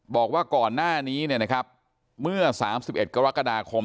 บอกว่าก่อนหน้านี้เนี่ยนะครับเมื่อสามสิบเอ็ดกรกฎาคม